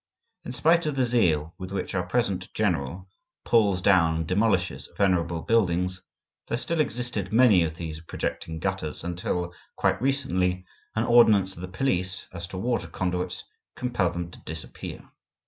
In spite of the zeal with which our present general pulls down and demolishes venerable buildings, there still existed many of these projecting gutters until, quite recently, an ordinance of the police as to water conduits compelled them to disappear.